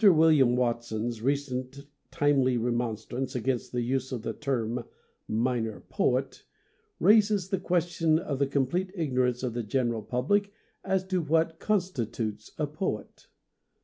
WILLIAM WATSON'S recent timely remon strance against the use of the term " minor poet " raises the question of the com plete ignorance of the general public as to what constitutes a poet.